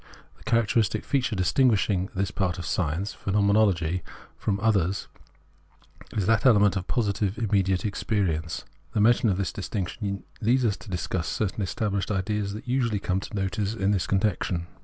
The character istic feature distinguishing this part of science [Pheno menology] from the others is the element of positive immediate existence. The mention of this distinction leads us to discuss certain established ideas that usually come to notice in this connection.